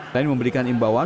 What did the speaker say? lain memberikan imbauan